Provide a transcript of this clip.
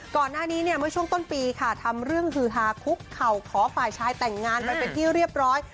ก่อนหน้านี้เนี่ยเมื่อช่วงต้นปีค่ะทำเรื่องฮือฮาคุกเข่าขอฝ่ายชายแต่งงานไปเป็นที่เรียบร้อย